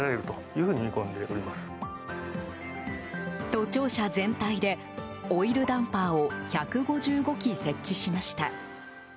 都庁舎全体でオイルダンパーを１５５基設置しました。